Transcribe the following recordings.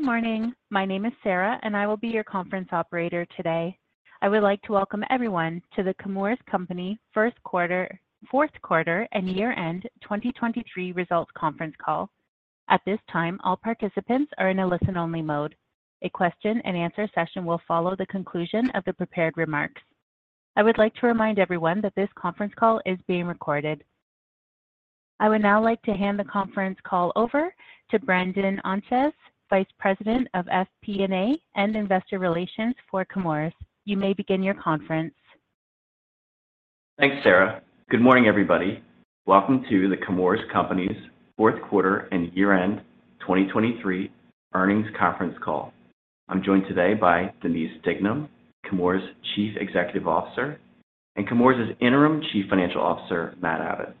Good morning. My name is Sarah, and I will be your conference operator today. I would like to welcome everyone to the Chemours Company first quarter, fourth quarter and year-end 2023 results conference call. At this time, all participants are in a listen-only mode. A question-and-answer session will follow the conclusion of the prepared remarks. I would like to remind everyone that this conference call is being recorded. I would now like to hand the conference call over to Brandon Ontjes, Vice President of FP&A and Investor Relations for Chemours. You may begin your conference. Thanks, Sarah. Good morning, everybody. Welcome to The Chemours Company's fourth quarter and year-end 2023 earnings conference call. I'm joined today by Denise Dignam, Chemours' Chief Executive Officer, and Chemours' Interim Chief Financial Officer, Matt Abbott.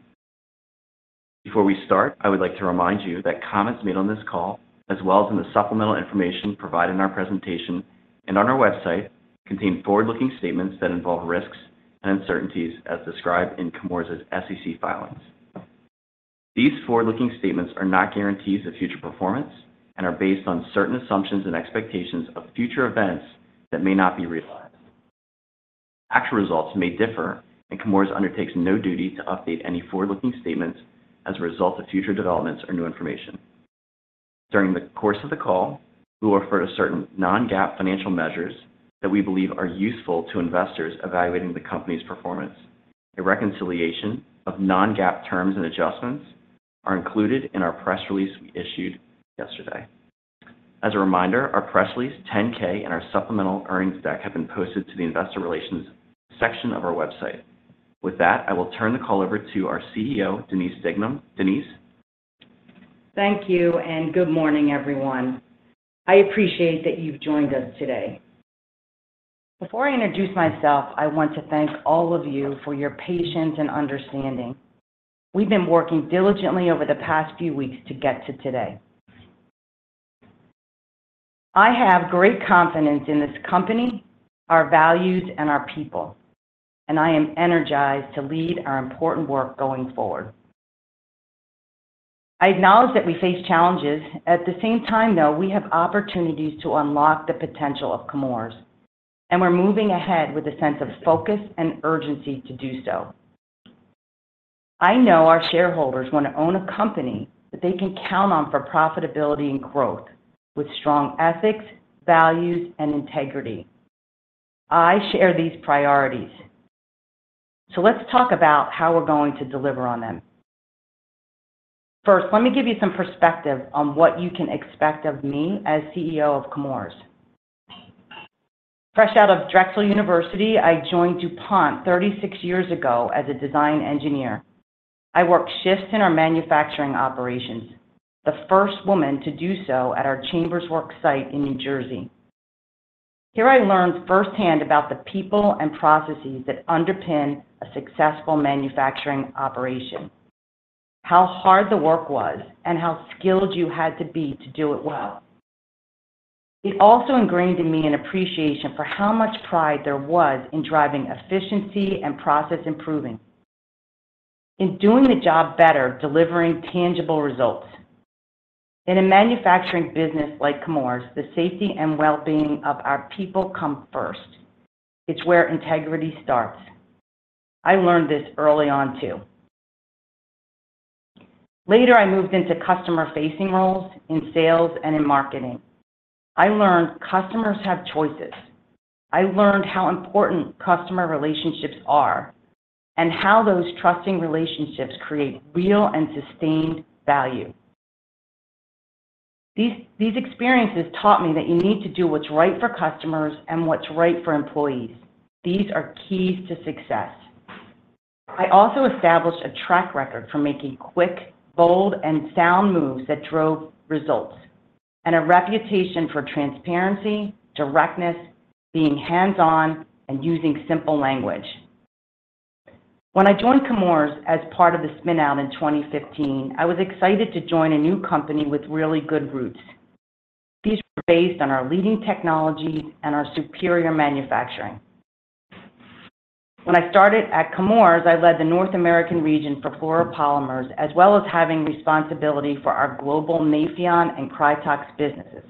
Before we start, I would like to remind you that comments made on this call, as well as in the supplemental information provided in our presentation and on our website, contain forward-looking statements that involve risks and uncertainties as described in Chemours' SEC filings. These forward-looking statements are not guarantees of future performance and are based on certain assumptions and expectations of future events that may not be realized. Actual results may differ, and Chemours undertakes no duty to update any forward-looking statements as a result of future developments or new information. During the course of the call, we will refer to certain non-GAAP financial measures that we believe are useful to investors evaluating the company's performance. A reconciliation of non-GAAP terms and adjustments is included in our press release we issued yesterday. As a reminder, our press release 10-K and our supplemental earnings deck have been posted to the Investor Relations section of our website. With that, I will turn the call over to our CEO, Denise Dignam. Denise? Thank you, and good morning, everyone. I appreciate that you've joined us today. Before I introduce myself, I want to thank all of you for your patience and understanding. We've been working diligently over the past few weeks to get to today. I have great confidence in this company, our values, and our people, and I am energized to lead our important work going forward. I acknowledge that we face challenges. At the same time, though, we have opportunities to unlock the potential of Chemours, and we're moving ahead with a sense of focus and urgency to do so. I know our shareholders want to own a company that they can count on for profitability and growth with strong ethics, values, and integrity. I share these priorities, so let's talk about how we're going to deliver on them. First, let me give you some perspective on what you can expect of me as CEO of Chemours. Fresh out of Drexel University, I joined DuPont 36 years ago as a design engineer. I worked shifts in our manufacturing operations, the first woman to do so at our Chambers Works site in New Jersey. Here I learned firsthand about the people and processes that underpin a successful manufacturing operation, how hard the work was, and how skilled you had to be to do it well. It also ingrained in me an appreciation for how much pride there was in driving efficiency and process improving, in doing the job better, delivering tangible results. In a manufacturing business like Chemours, the safety and well-being of our people come first. It's where integrity starts. I learned this early on, too. Later, I moved into customer-facing roles in sales and in marketing. I learned customers have choices. I learned how important customer relationships are and how those trusting relationships create real and sustained value. These experiences taught me that you need to do what's right for customers and what's right for employees. These are keys to success. I also established a track record for making quick, bold, and sound moves that drove results, and a reputation for transparency, directness, being hands-on, and using simple language. When I joined Chemours as part of the spin-out in 2015, I was excited to join a new company with really good roots. These were based on our leading technologies and our superior manufacturing. When I started at Chemours, I led the North American region for fluoropolymers, as well as having responsibility for our global Nafion and Krytox businesses.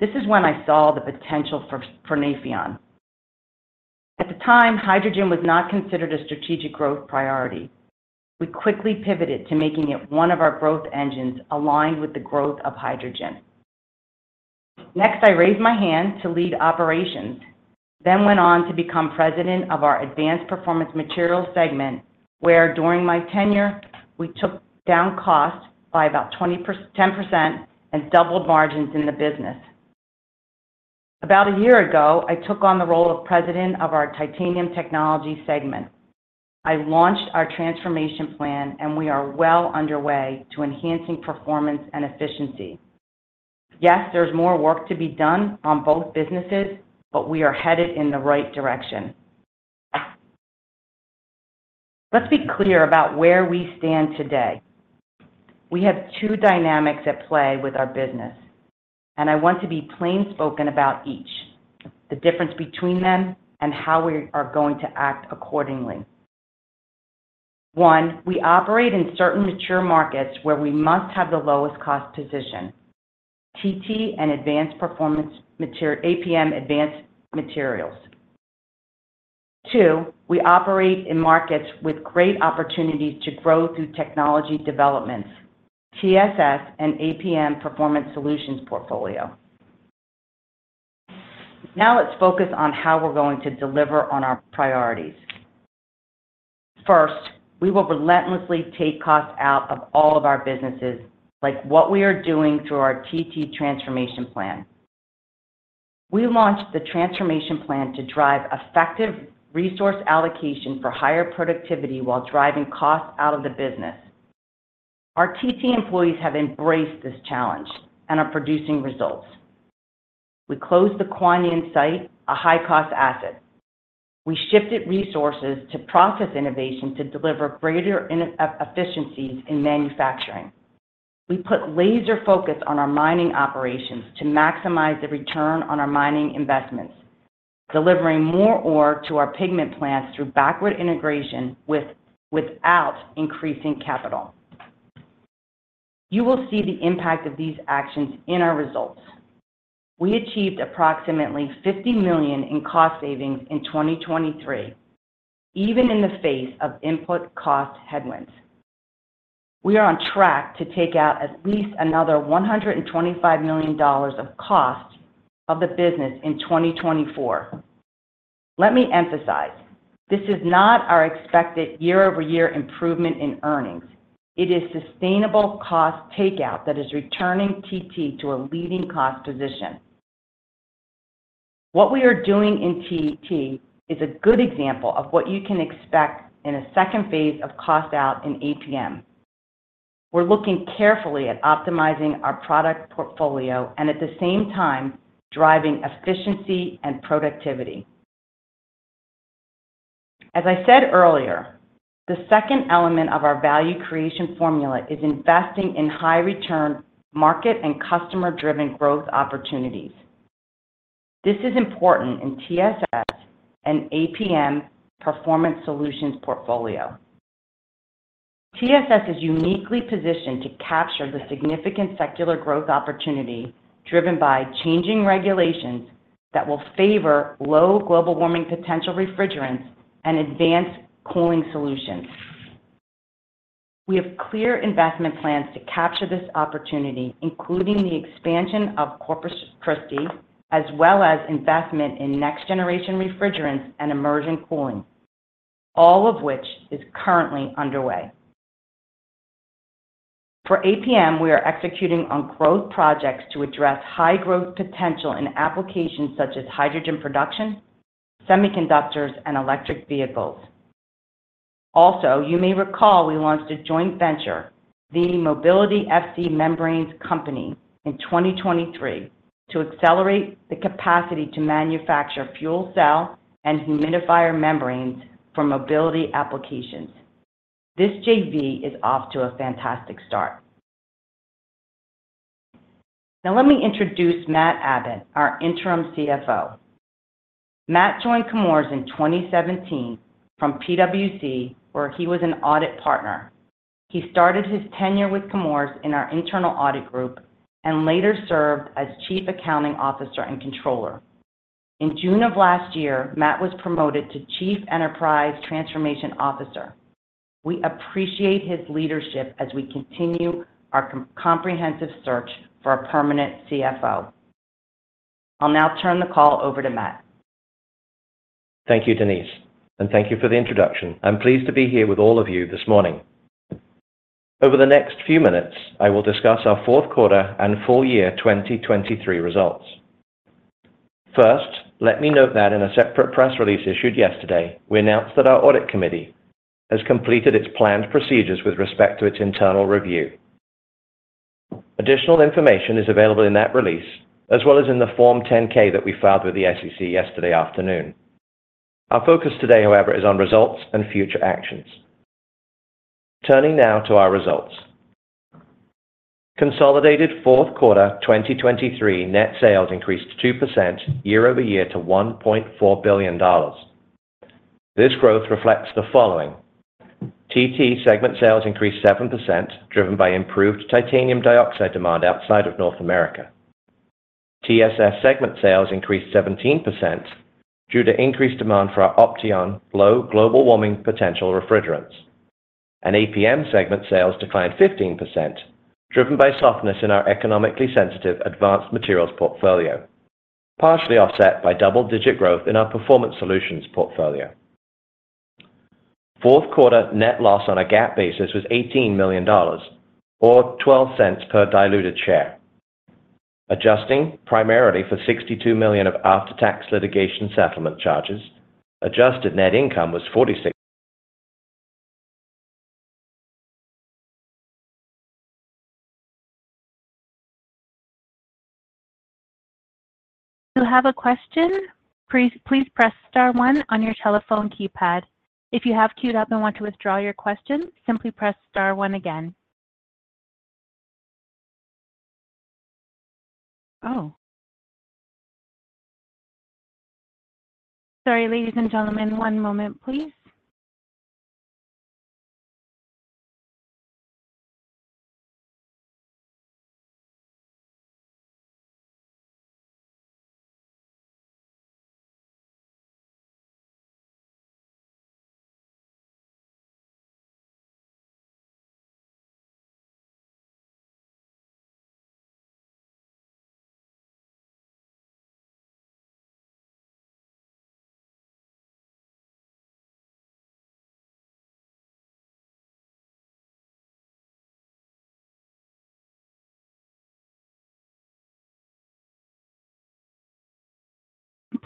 This is when I saw the potential for Nafion. At the time, hydrogen was not considered a strategic growth priority. We quickly pivoted to making it one of our growth engines aligned with the growth of hydrogen. Next, I raised my hand to lead operations, then went on to become president of our Advanced Performance Materials segment, where during my tenure, we took down costs by about 10% and doubled margins in the business. About a year ago, I took on the role of president of our Titanium Technologies segment. I launched our transformation plan, and we are well underway to enhancing performance and efficiency. Yes, there's more work to be done on both businesses, but we are headed in the right direction. Let's be clear about where we stand today. We have two dynamics at play with our business, and I want to be plain-spoken about each, the difference between them and how we are going to act accordingly. One, we operate in certain mature markets where we must have the lowest-cost position, TT and APM advanced materials. Two, we operate in markets with great opportunities to grow through technology developments, TSS and APM performance solutions portfolio. Now let's focus on how we're going to deliver on our priorities. First, we will relentlessly take costs out of all of our businesses, like what we are doing through our TT transformation plan. We launched the transformation plan to drive effective resource allocation for higher productivity while driving costs out of the business. Our TT employees have embraced this challenge and are producing results. We closed the Kuan Yin site, a high-cost asset. We shifted resources to process innovation to deliver greater efficiencies in manufacturing. We put laser focus on our mining operations to maximize the return on our mining investments, delivering more ore to our pigment plants through backward integration without increasing capital. You will see the impact of these actions in our results. We achieved approximately $50 million in cost savings in 2023, even in the face of input cost headwinds. We are on track to take out at least another $125 million of cost of the business in 2024. Let me emphasize, this is not our expected year-over-year improvement in earnings. It is sustainable cost takeout that is returning TT to a leading cost position. What we are doing in TT is a good example of what you can expect in a second phase of cost out in APM. We're looking carefully at optimizing our product portfolio and, at the same time, driving efficiency and productivity. As I said earlier, the second element of our value creation formula is investing in high-return market and customer-driven growth opportunities. This is important in TSS and APM performance solutions portfolio. TSS is uniquely positioned to capture the significant secular growth opportunity driven by changing regulations that will favor low global warming potential refrigerants and advanced cooling solutions. We have clear investment plans to capture this opportunity, including the expansion of Corpus Christi as well as investment in next-generation refrigerants and immersion cooling, all of which is currently underway. For APM, we are executing on growth projects to address high growth potential in applications such as hydrogen production, semiconductors, and electric vehicles. Also, you may recall we launched a joint venture, the Mobility F.C. Membranes Company, in 2023 to accelerate the capacity to manufacture fuel cell and humidifier membranes for mobility applications. This JV is off to a fantastic start. Now let me introduce Matt Abbott, our interim CFO. Matt joined Chemours in 2017 from PwC, where he was an audit partner. He started his tenure with Chemours in our internal audit group and later served as Chief Accounting Officer and Controller. In June of last year, Matt was promoted to Chief Enterprise Transformation Officer. We appreciate his leadership as we continue our comprehensive search for a permanent CFO. I'll now turn the call over to Matt. Thank you, Denise, and thank you for the introduction. I'm pleased to be here with all of you this morning. Over the next few minutes, I will discuss our fourth quarter and full year 2023 results. First, let me note that in a separate press release issued yesterday, we announced that our audit committee has completed its planned procedures with respect to its internal review. Additional information is available in that release, as well as in the Form 10-K that we filed with the SEC yesterday afternoon. Our focus today, however, is on results and future actions. Turning now to our results. Consolidated fourth quarter 2023 net sales increased 2% year-over-year to $1.4 billion. This growth reflects the following: TT segment sales increased 7% driven by improved titanium dioxide demand outside of North America. TSS segment sales increased 17% due to increased demand for our Opteon low global warming potential refrigerants. APM segment sales declined 15% driven by softness in our economically sensitive advanced materials portfolio, partially offset by double-digit growth in our performance solutions portfolio. Fourth quarter net loss on a GAAP basis was $18 million or $0.12 per diluted share. Adjusting primarily for $62 million of after-tax litigation settlement charges, adjusted net income was $46. If you have a question, please press star one on your telephone keypad. If you have queued up and want to withdraw your question, simply press star one again. Oh. Sorry, ladies and gentlemen, one moment, please.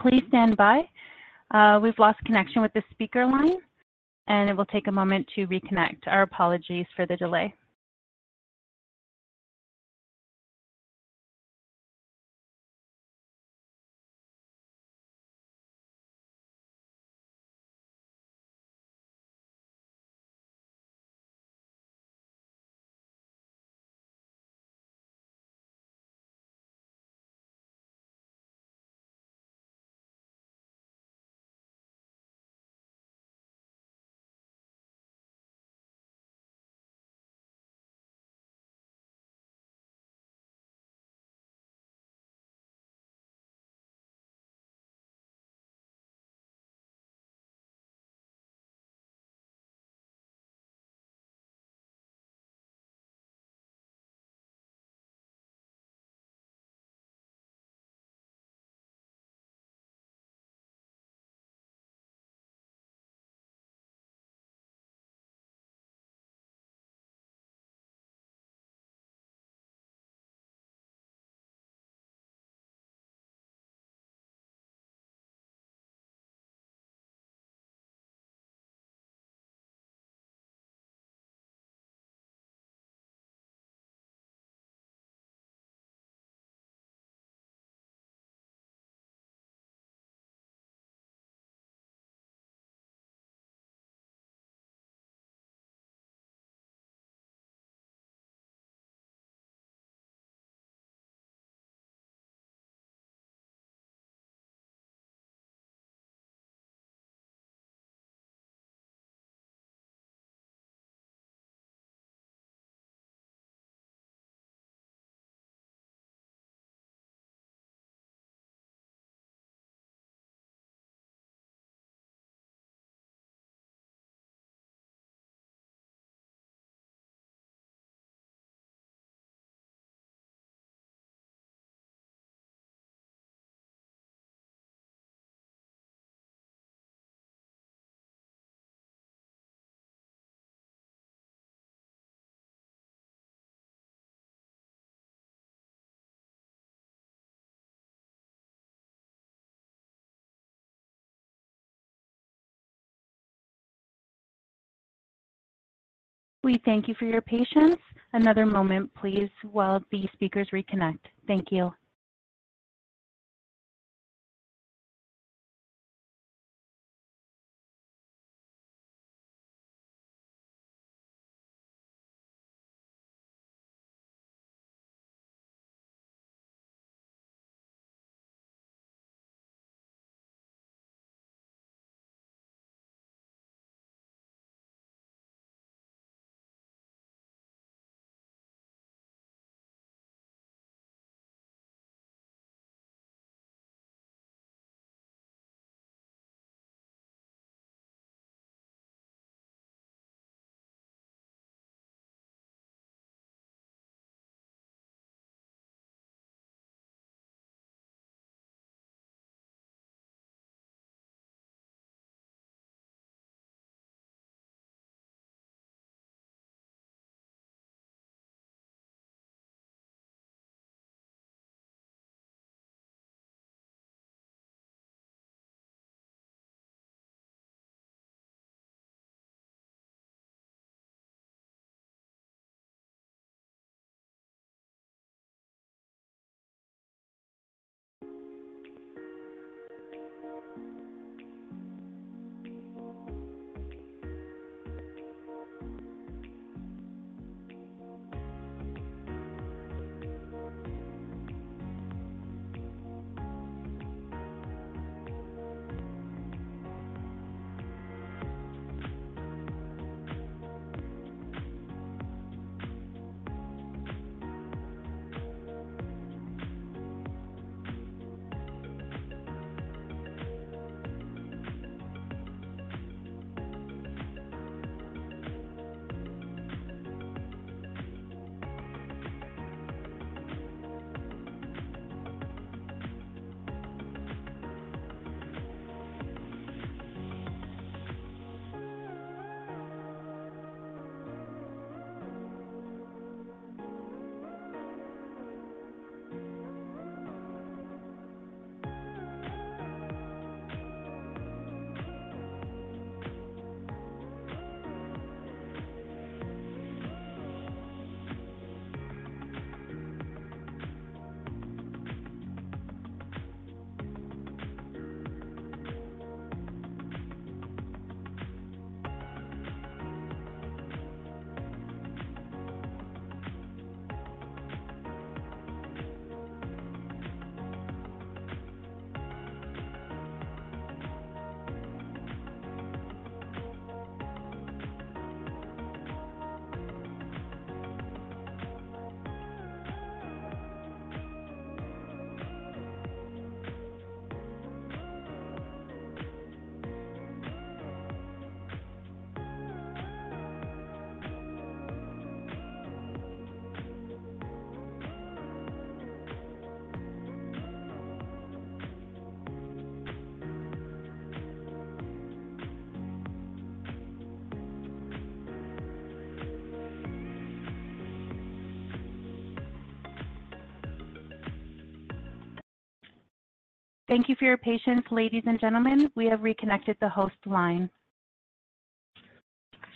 Please stand by. We've lost connection with the speaker line, and it will take a moment to reconnect. Our apologies for the delay. We thank you for your patience. Another moment, please, while the speakers reconnect. Thank you. Thank you for your patience, ladies and gentlemen. We have reconnected the host line.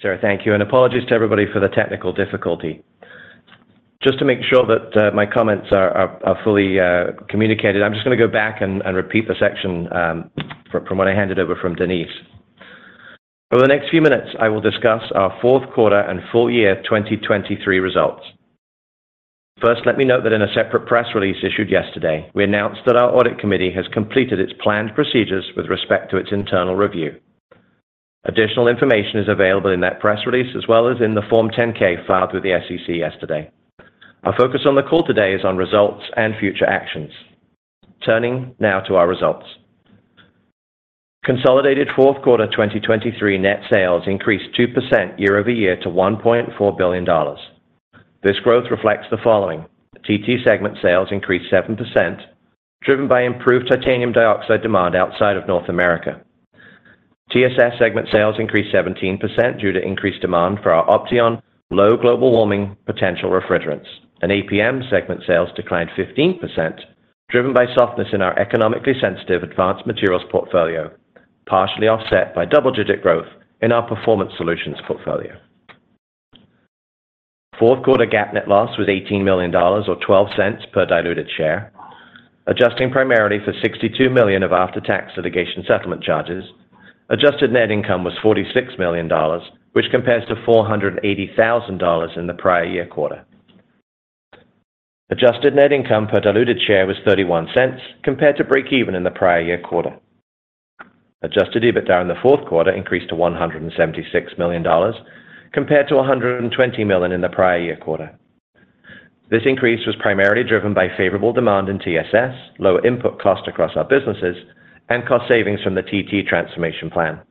Sir, thank you, and apologies to everybody for the technical difficulty. Just to make sure that my comments are fully communicated, I'm just going to go back and repeat the section from what I handed over from Denise. Over the next few minutes, I will discuss our fourth quarter and full year 2023 results. First, let me note that in a separate press release issued yesterday, we announced that our audit committee has completed its planned procedures with respect to its internal review. Additional information is available in that press release as well as in the Form 10-K filed with the SEC yesterday. Our focus on the call today is on results and future actions. Turning now to our results. Consolidated fourth quarter 2023 net sales increased 2% year-over-year to $1.4 billion. This growth reflects the following: TT segment sales increased 7% driven by improved titanium dioxide demand outside of North America. TSS segment sales increased 17% due to increased demand for our Opteon low global warming potential refrigerants. APM segment sales declined 15% driven by softness in our economically sensitive advanced materials portfolio, partially offset by double-digit growth in our performance solutions portfolio. Fourth quarter GAAP net loss was $18 million or $0.12 per diluted share, adjusting primarily for $62 million of after-tax litigation settlement charges. Adjusted net income was $46 million, which compares to $480,000 in the prior year quarter. Adjusted net income per diluted share was $0.31 compared to break-even in the prior year quarter. Adjusted EBITDA in the fourth quarter increased to $176 million compared to $120 million in the prior year quarter. This increase was primarily driven by favorable demand in TSS, lower input cost across our businesses, and cost savings from the TT transformation plan.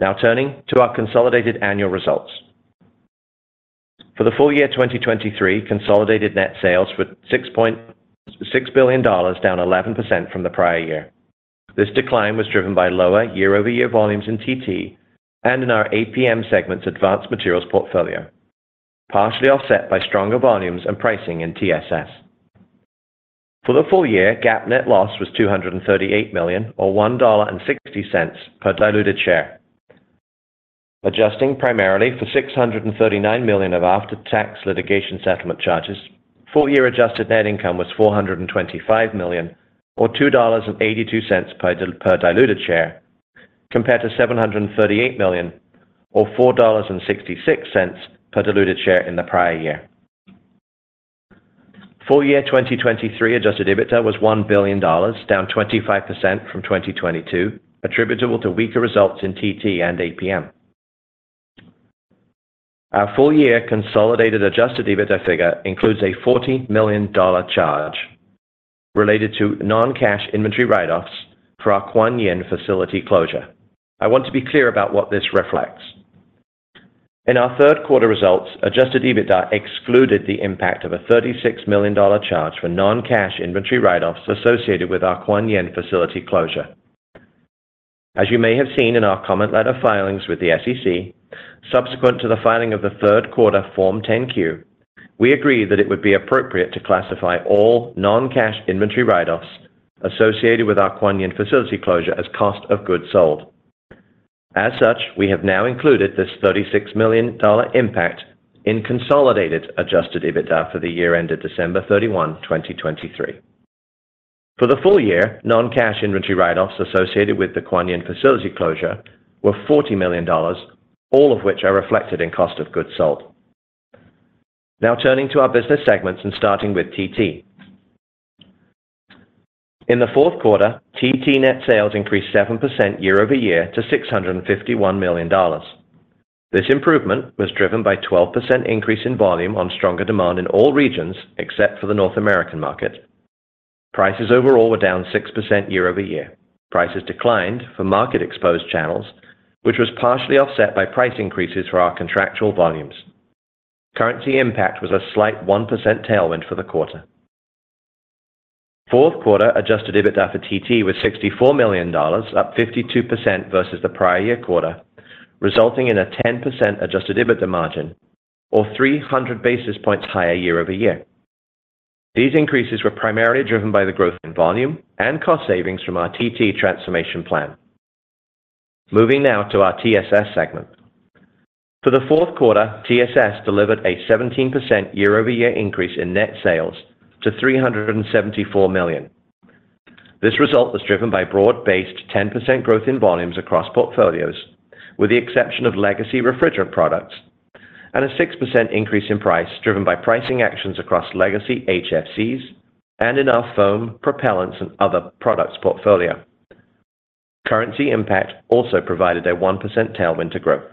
Now turning to our consolidated annual results. For the full year 2023, consolidated net sales were $6 billion, down 11% from the prior year. This decline was driven by lower year-over-year volumes in TT and in our APM segment's advanced materials portfolio, partially offset by stronger volumes and pricing in TSS. For the full year, GAAP net loss was $238 million or $1.60 per diluted share. Adjusting primarily for $639 million of after-tax litigation settlement charges, full-year adjusted net income was $425 million or $2.82 per diluted share compared to $738 million or $4.66 per diluted share in the prior year. Full year 2023 adjusted EBITDA was $1 billion, down 25% from 2022, attributable to weaker results in TT and APM. Our full-year consolidated Adjusted EBITDA figure includes a $40 million charge related to non-cash inventory write-offs for our Kuan Yin facility closure. I want to be clear about what this reflects. In our third quarter results, Adjusted EBITDA excluded the impact of a $36 million charge for non-cash inventory write-offs associated with our Kuan Yin facility closure. As you may have seen in our comment letter filings with the SEC, subsequent to the filing of the third quarter Form 10-Q, we agreed that it would be appropriate to classify all non-cash inventory write-offs associated with our Kuan Yin facility closure as cost of goods sold. As such, we have now included this $36 million impact in consolidated adjusted EBITDA for the year ended December 31, 2023. For the full year, non-cash inventory write-offs associated with the Kuan Yin facility closure were $40 million, all of which are reflected in cost of goods sold. Now turning to our business segments and starting with TT. In the fourth quarter, TT net sales increased 7% year-over-year to $651 million. This improvement was driven by a 12% increase in volume on stronger demand in all regions except for the North American market. Prices overall were down 6% year-over-year. Prices declined for market-exposed channels, which was partially offset by price increases for our contractual volumes. Currency impact was a slight 1% tailwind for the quarter. Fourth quarter adjusted EBITDA for TT was $64 million, up 52% versus the prior year quarter, resulting in a 10% adjusted EBITDA margin or 300 basis points higher year-over-year. These increases were primarily driven by the growth in volume and cost savings from our TT transformation plan. Moving now to our TSS segment. For the fourth quarter, TSS delivered a 17% year-over-year increase in net sales to $374 million. This result was driven by broad-based 10% growth in volumes across portfolios, with the exception of legacy refrigerant products, and a 6% increase in price driven by pricing actions across legacy HFCs and in our foam, propellants, and other products portfolio. Currency impact also provided a 1% tailwind to growth.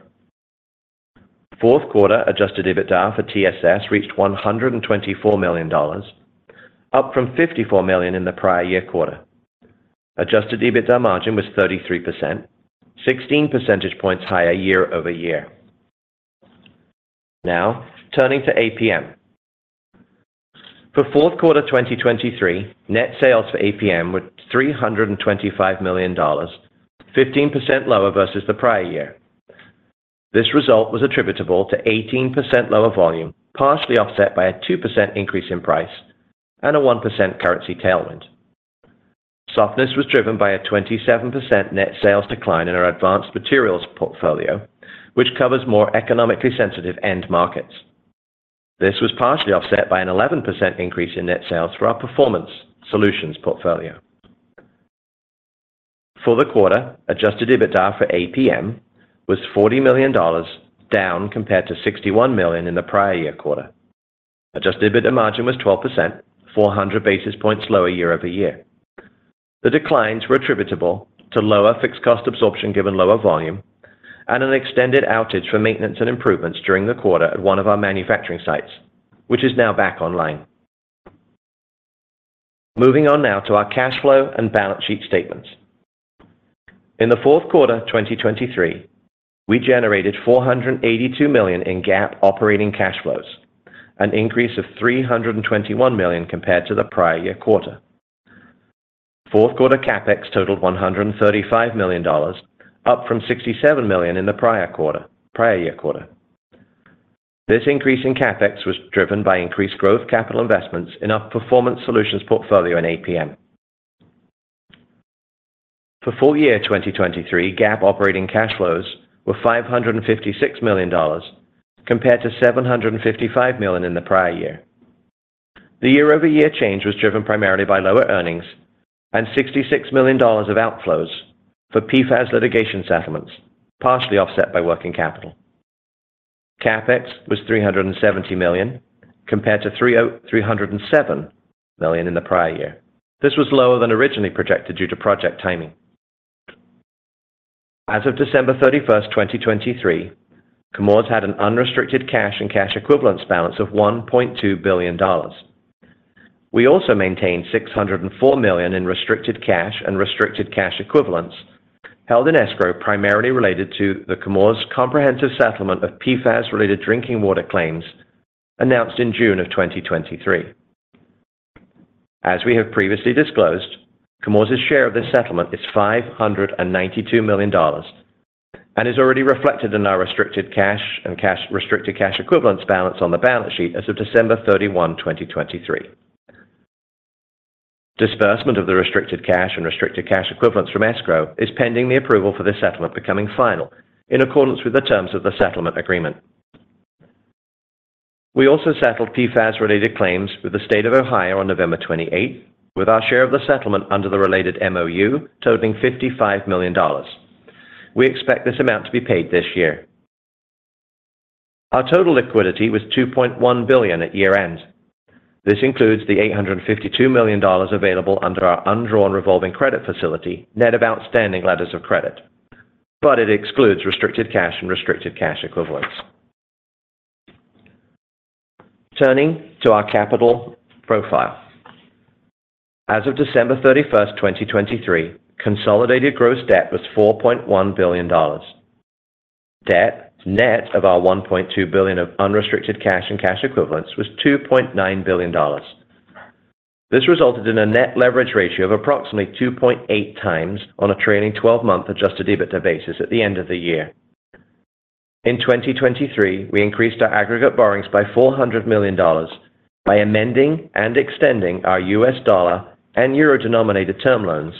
Fourth quarter adjusted EBITDA for TSS reached $124 million, up from $54 million in the prior year quarter. Adjusted EBITDA margin was 33%, 16 percentage points higher year-over-year. Now turning to APM. For fourth quarter 2023, net sales for APM were $325 million, 15% lower versus the prior year. This result was attributable to 18% lower volume, partially offset by a 2% increase in price and a 1% currency tailwind. Softness was driven by a 27% net sales decline in our advanced materials portfolio, which covers more economically sensitive end markets. This was partially offset by an 11% increase in net sales for our performance solutions portfolio. For the quarter, adjusted EBITDA for APM was $40 million, down compared to $61 million in the prior year quarter. Adjusted EBITDA margin was 12%, 400 basis points lower year-over-year. The declines were attributable to lower fixed cost absorption given lower volume and an extended outage for maintenance and improvements during the quarter at one of our manufacturing sites, which is now back online. Moving on now to our cash flow and balance sheet statements. In the fourth quarter 2023, we generated $482 million in GAAP operating cash flows, an increase of $321 million compared to the prior year quarter. Fourth quarter CapEx totaled $135 million, up from $67 million in the prior year quarter. This increase in CapEx was driven by increased growth capital investments in our performance solutions portfolio in APM. For full year 2023, GAAP operating cash flows were $556 million compared to $755 million in the prior year. The year-over-year change was driven primarily by lower earnings and $66 million of outflows for PFAS litigation settlements, partially offset by working capital. CapEx was $370 million compared to $307 million in the prior year. This was lower than originally projected due to project timing. As of December 31, 2023, Chemours' had an unrestricted cash and cash equivalents balance of $1.2 billion. We also maintained $604 million in restricted cash and restricted cash equivalents held in escrow primarily related to the Chemours' comprehensive settlement of PFAS-related drinking water claims announced in June of 2023. As we have previously disclosed, Chemours' share of this settlement is $592 million and is already reflected in our restricted cash and restricted cash equivalents balance on the balance sheet as of December 31, 2023. Disbursement of the restricted cash and restricted cash equivalents from escrow is pending the approval for this settlement becoming final in accordance with the terms of the settlement agreement. We also settled PFAS-related claims with the state of Ohio on November 28th with our share of the settlement under the related MOU totaling $55 million. We expect this amount to be paid this year. Our total liquidity was $2.1 billion at year-end. This includes the $852 million available under our undrawn revolving credit facility net of outstanding letters of credit, but it excludes restricted cash and restricted cash equivalents. Turning to our capital profile. As of December 31, 2023, consolidated gross debt was $4.1 billion. Debt net of our $1.2 billion of unrestricted cash and cash equivalents was $2.9 billion. This resulted in a net leverage ratio of approximately 2.8x on a trailing 12-month adjusted EBITDA basis at the end of the year. In 2023, we increased our aggregate borrowings by $400 million by amending and extending our U.S. dollar and euro denominated term loans,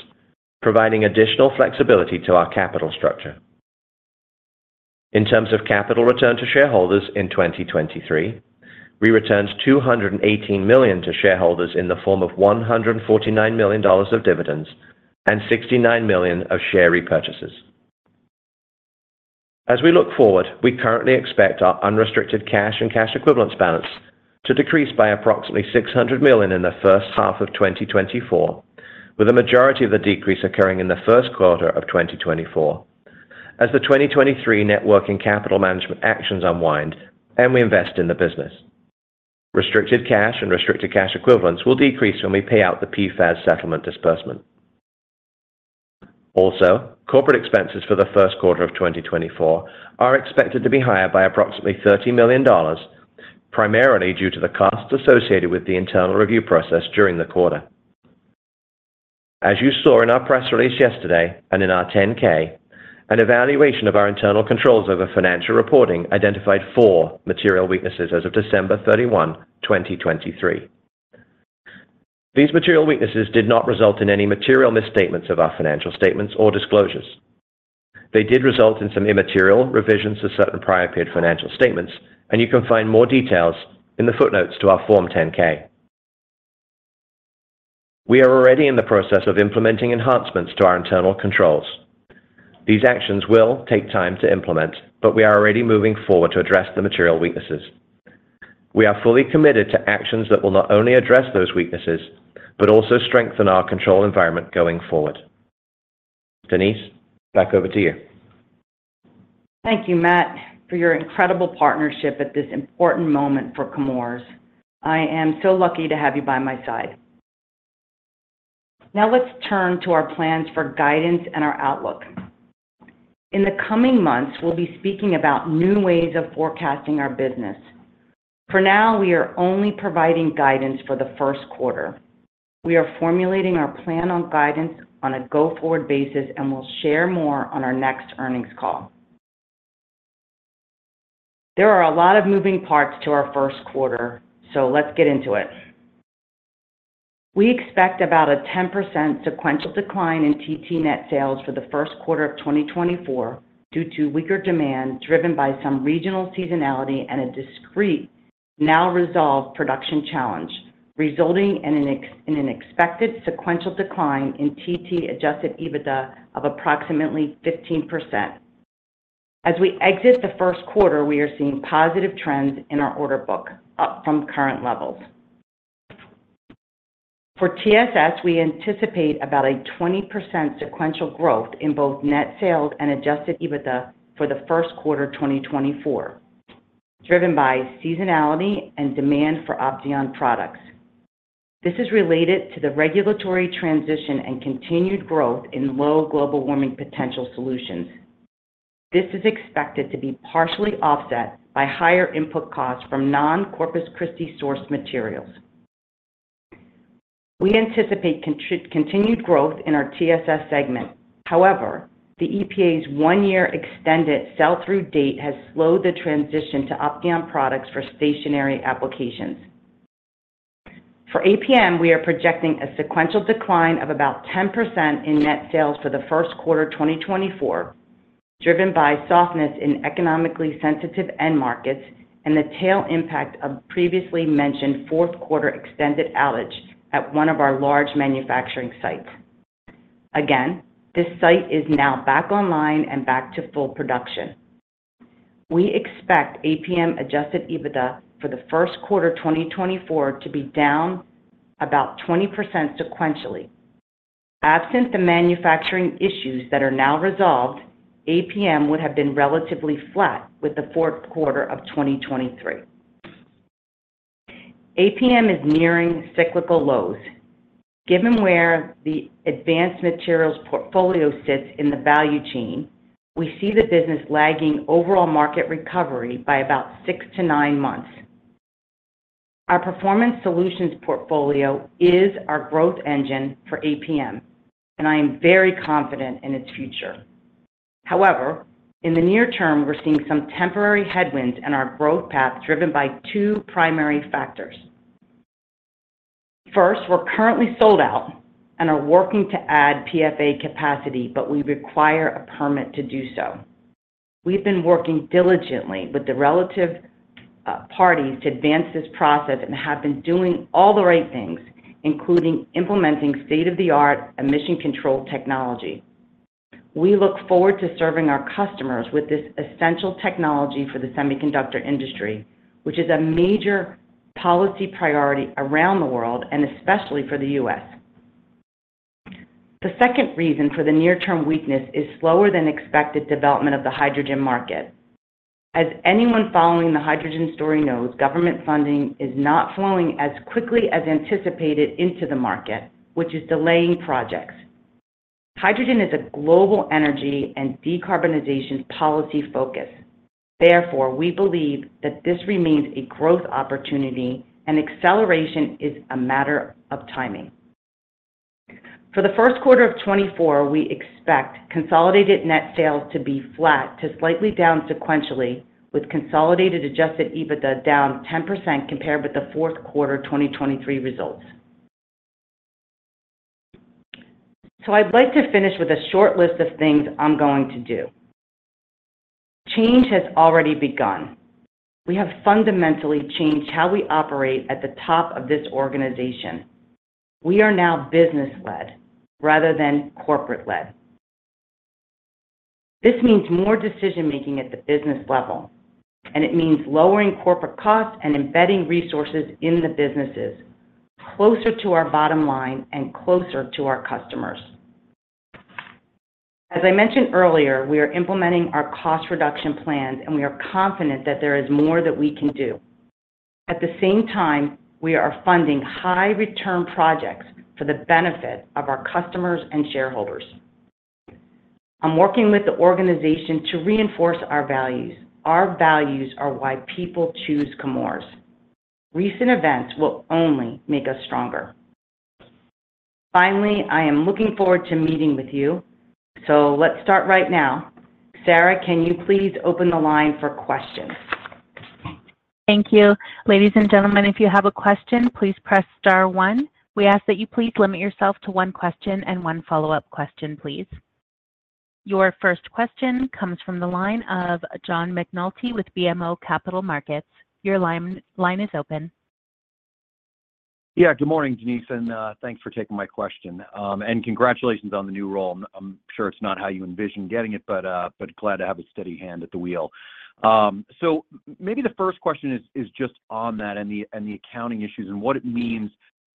providing additional flexibility to our capital structure. In terms of capital return to shareholders in 2023, we returned $218 million to shareholders in the form of $149 million of dividends and $69 million of share repurchases. As we look forward, we currently expect our unrestricted cash and cash equivalents balance to decrease by approximately $600 million in the first half of 2024, with a majority of the decrease occurring in the first quarter of 2024 as the 2023 net working capital management actions unwind and we invest in the business. Restricted cash and restricted cash equivalents will decrease when we pay out the PFAS settlement disbursement. Also, corporate expenses for the first quarter of 2024 are expected to be higher by approximately $30 million, primarily due to the costs associated with the internal review process during the quarter. As you saw in our press release yesterday and in our 10-K, an evaluation of our internal controls over financial reporting identified four material weaknesses as of December 31, 2023. These material weaknesses did not result in any material misstatements of our financial statements or disclosures. They did result in some immaterial revisions to certain prior-period financial statements, and you can find more details in the footnotes to our Form 10-K. We are already in the process of implementing enhancements to our internal controls. These actions will take time to implement, but we are already moving forward to address the material weaknesses. We are fully committed to actions that will not only address those weaknesses but also strengthen our control environment going forward. Denise, back over to you. Thank you, Matt, for your incredible partnership at this important moment for Chemours. I am so lucky to have you by my side. Now let's turn to our plans for guidance and our outlook. In the coming months, we'll be speaking about new ways of forecasting our business. For now, we are only providing guidance for the first quarter. We are formulating our plan on guidance on a go-forward basis, and we'll share more on our next earnings call. There are a lot of moving parts to our first quarter, so let's get into it. We expect about a 10% sequential decline in TT net sales for the first quarter of 2024 due to weaker demand driven by some regional seasonality and a discrete, now resolved production challenge, resulting in an expected sequential decline in TT adjusted EBITDA of approximately 15%. As we exit the first quarter, we are seeing positive trends in our order book, up from current levels. For TSS, we anticipate about a 20% sequential growth in both net sales and adjusted EBITDA for the first quarter 2024, driven by seasonality and demand for Opteon products. This is related to the regulatory transition and continued growth in low global warming potential solutions. This is expected to be partially offset by higher input costs from non-Corpus Christi source materials. We anticipate continued growth in our TSS segment. However, the EPA's one-year extended sell-through date has slowed the transition to Opteon products for stationary applications. For APM, we are projecting a sequential decline of about 10% in net sales for the first quarter 2024, driven by softness in economically sensitive end markets and the tail impact of previously mentioned fourth quarter extended outage at one of our large manufacturing sites. Again, this site is now back online and back to full production. We expect APM adjusted EBITDA for the first quarter 2024 to be down about 20% sequentially. Absent the manufacturing issues that are now resolved, APM would have been relatively flat with the fourth quarter of 2023. APM is nearing cyclical lows. Given where the advanced materials portfolio sits in the value chain, we see the business lagging overall market recovery by about six to nine months. Our performance solutions portfolio is our growth engine for APM, and I am very confident in its future. However, in the near term, we're seeing some temporary headwinds in our growth path driven by two primary factors. First, we're currently sold out and are working to add PFA capacity, but we require a permit to do so. We've been working diligently with the relevant parties to advance this process and have been doing all the right things, including implementing state-of-the-art emission control technology. We look forward to serving our customers with this essential technology for the semiconductor industry, which is a major policy priority around the world and especially for the U.S. The second reason for the near-term weakness is slower-than-expected development of the hydrogen market. As anyone following the hydrogen story knows, government funding is not flowing as quickly as anticipated into the market, which is delaying projects. Hydrogen is a global energy and decarbonization policy focus. Therefore, we believe that this remains a growth opportunity, and acceleration is a matter of timing. For the first quarter of 2024, we expect consolidated net sales to be flat to slightly down sequentially, with consolidated adjusted EBITDA down 10% compared with the fourth quarter 2023 results. I'd like to finish with a short list of things I'm going to do. Change has already begun. We have fundamentally changed how we operate at the top of this organization. We are now business-led rather than corporate-led. This means more decision-making at the business level, and it means lowering corporate costs and embedding resources in the businesses closer to our bottom line and closer to our customers. As I mentioned earlier, we are implementing our cost reduction plans, and we are confident that there is more that we can do. At the same time, we are funding high-return projects for the benefit of our customers and shareholders. I'm working with the organization to reinforce our values. Our values are why people choose Chemours. Recent events will only make us stronger. Finally, I am looking forward to meeting with you, so let's start right now. Sarah, can you please open the line for questions? Thank you. Ladies and gentlemen, if you have a question, please press star one. We ask that you please limit yourself to one question and one follow-up question, please. Your first question comes from the line of John McNulty with BMO Capital Markets. Your line is open. Yeah. Good morning, Denise. And thanks for taking my question. And congratulations on the new role. I'm sure it's not how you envision getting it, but glad to have a steady hand at the wheel. So maybe the first question is just on that and the accounting issues and what it means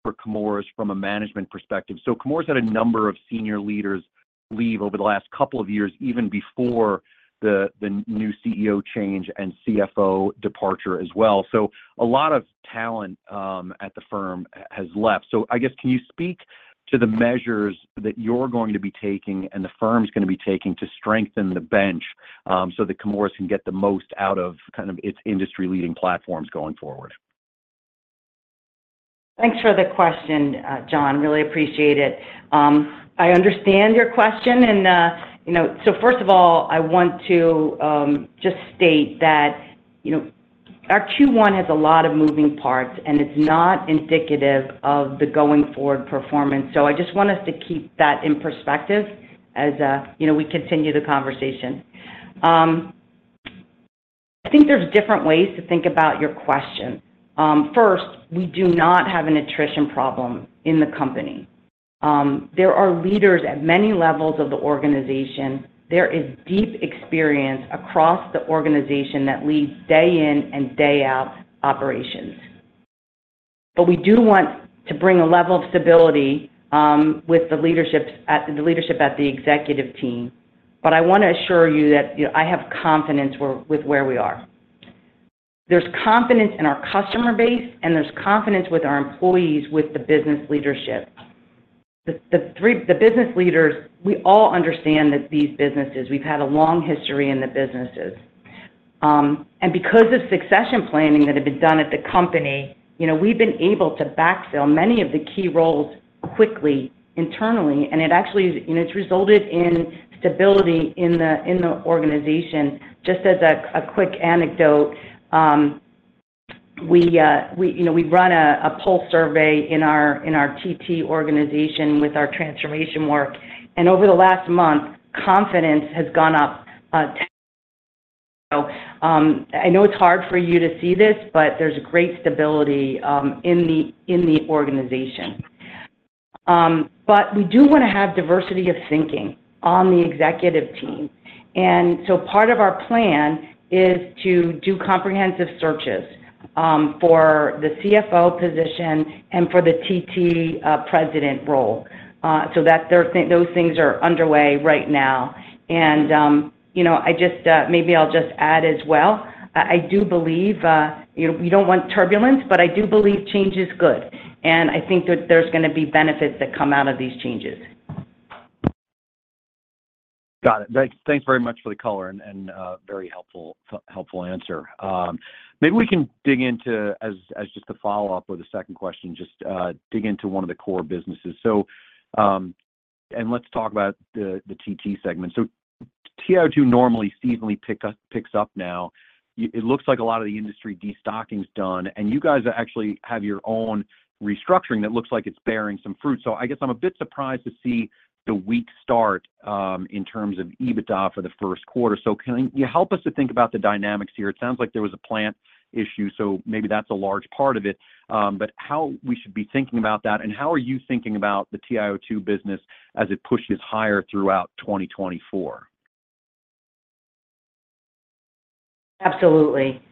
for Chemours from a management perspective. So Chemours had a number of senior leaders leave over the last couple of years, even before the new CEO change and CFO departure as well. So a lot of talent at the firm has left. So I guess, can you speak to the measures that you're going to be taking and the firm's going to be taking to strengthen the bench so that Chemours can get the most out of kind of its industry-leading platforms going forward? Thanks for the question, John. I really appreciate it. I understand your question. So first of all, I want to just state that our Q1 has a lot of moving parts, and it's not indicative of the going forward performance. I just want us to keep that in perspective as we continue the conversation. I think there's different ways to think about your question. First, we do not have an attrition problem in the company. There are leaders at many levels of the organization. There is deep experience across the organization that leads day-in and day-out operations. We do want to bring a level of stability with the leadership at the executive team. I want to assure you that I have confidence with where we are. There's confidence in our customer base, and there's confidence with our employees, with the business leadership. The business leaders, we all understand that these businesses we've had a long history in the businesses. Because of succession planning that had been done at the company, we've been able to backfill many of the key roles quickly internally, and it actually has resulted in stability in the organization. Just as a quick anecdote, we run a poll survey in our TT organization with our transformation work. And over the last month, confidence has gone up. I know it's hard for you to see this, but there's great stability in the organization. But we do want to have diversity of thinking on the executive team. And so part of our plan is to do comprehensive searches for the CFO position and for the TT president role so that those things are underway right now. Maybe I'll just add as well, I do believe we don't want turbulence, but I do believe change is good. I think that there's going to be benefits that come out of these changes. Got it. Thanks very much for the color and very helpful answer. Maybe we can dig into as just a follow-up with a second question, just dig into one of the core businesses. And let's talk about the TT segment. So TiO2 normally seasonally picks up now. It looks like a lot of the industry destocking's done, and you guys actually have your own restructuring that looks like it's bearing some fruit. So I guess I'm a bit surprised to see the weak start in terms of EBITDA for the first quarter. So can you help us to think about the dynamics here? It sounds like there was a plant issue, so maybe that's a large part of it. But how we should be thinking about that, and how are you thinking about the TiO2 business as it pushes higher throughout 2024? Absolutely.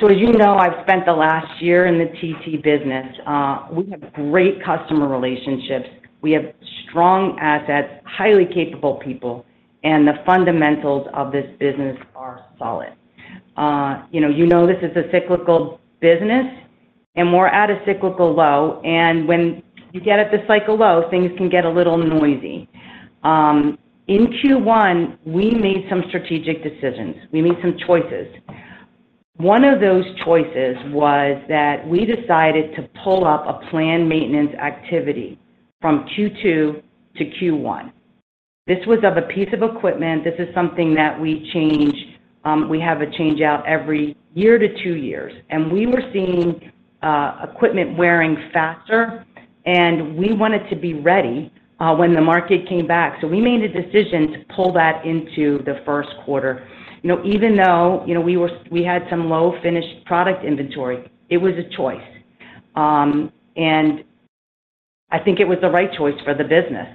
So as you know, I've spent the last year in the TT business. We have great customer relationships. We have strong assets, highly capable people, and the fundamentals of this business are solid. You know this is a cyclical business, and we're at a cyclical low. And when you get at the cycle low, things can get a little noisy. In Q1, we made some strategic decisions. We made some choices. One of those choices was that we decided to pull up a planned maintenance activity from Q2 to Q1. This was of a piece of equipment. This is something that we change. We have a changeout every year to two years. And we were seeing equipment wearing faster, and we wanted to be ready when the market came back. So we made a decision to pull that into the first quarter. Even though we had some low finished product inventory, it was a choice. I think it was the right choice for the business.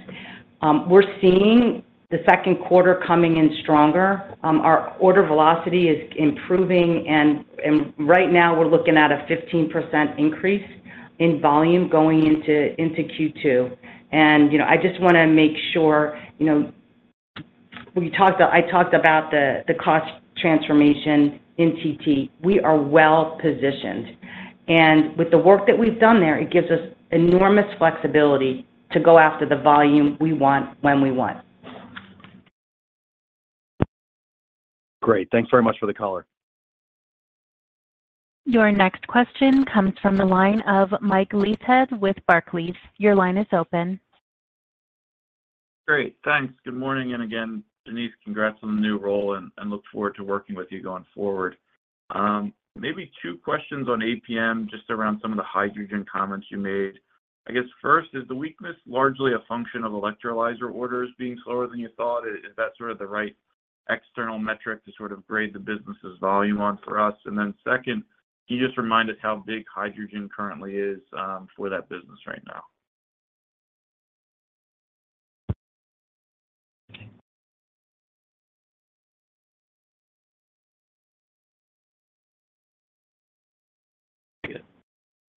We're seeing the second quarter coming in stronger. Our order velocity is improving. And right now, we're looking at a 15% increase in volume going into Q2. And I just want to make sure we talked about the cost transformation in TT. We are well-positioned. And with the work that we've done there, it gives us enormous flexibility to go after the volume we want when we want. Great. Thanks very much for the color. Your next question comes from the line of Mike Leithead with Barclays. Your line is open. Great. Thanks. Good morning. And again, Denise, congrats on the new role, and look forward to working with you going forward. Maybe two questions on APM just around some of the hydrogen comments you made. I guess first, is the weakness largely a function of electrolyzer orders being slower than you thought? Is that sort of the right external metric to sort of grade the business's volume on for us? And then second, can you just remind us how big hydrogen currently is for that business right now?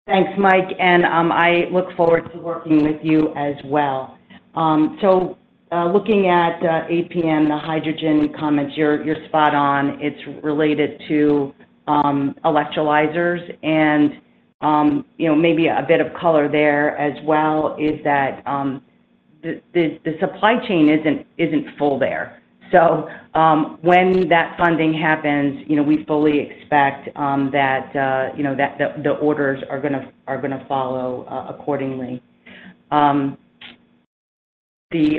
Thanks, Mike. I look forward to working with you as well. Looking at APM, the hydrogen comments, you're spot on. It's related to electrolyzers. Maybe a bit of color there as well is that the supply chain isn't full there. When that funding happens, we fully expect that the orders are going to follow accordingly.